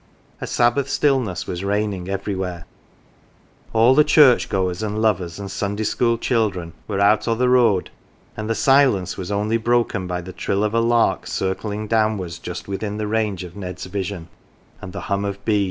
A Sabbath stillness was reigning every where ; all the church goers and lovers and Sunday school children were " out o' the road "; and the silence was only broken by the trill of a lark circling downwards just within the range of Ned's vision, and the hum of bees.